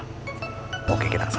tunggu sebentar ya